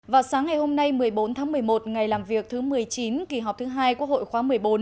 vào sáng ngày hôm nay một mươi bốn tháng một mươi một ngày làm việc thứ một mươi chín kỳ họp thứ hai quốc hội khóa một mươi bốn